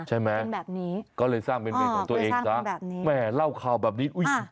ใช่ไหมก็เลยสร้างเป็นเม้นของตัวเองค่ะแม่เล่าข่าวแบบนี้อุ๊ย